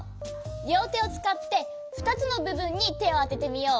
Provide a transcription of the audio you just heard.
りょうてをつかって２つのぶぶんにてをあててみよう。